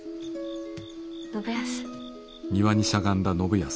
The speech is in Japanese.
信康。